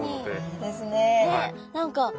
いいですね。